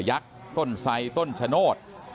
ยักษ์ต้นไทรเซ้ต้นชโนธ